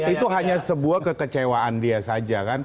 itu hanya sebuah kekecewaan dia saja kan